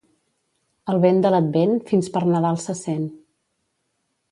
El vent de l'Advent fins per Nadal se sent.